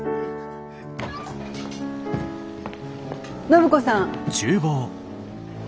暢子さん。